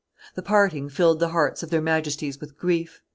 The parting filled the hearts of their majesties with grief.